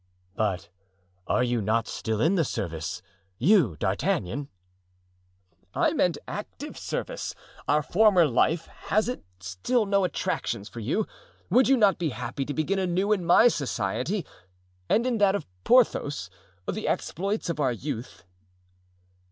"But are you not still in the service—you, D'Artagnan?" "I mean active service. Our former life, has it still no attractions for you? would you not be happy to begin anew in my society and in that of Porthos, the exploits of our youth?"